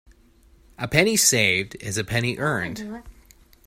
A penny saved is a penny earned.